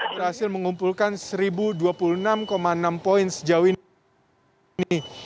berhasil mengumpulkan satu dua puluh enam enam poin sejauh ini